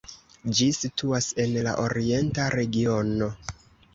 Ĝi situas en la Orienta regiono.